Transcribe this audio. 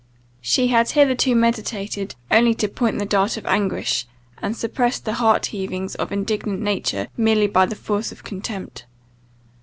She had hitherto meditated only to point the dart of anguish, and suppressed the heart heavings of indignant nature merely by the force of contempt.